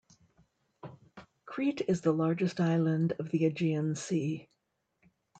Crete is the largest island of the Aegean sea.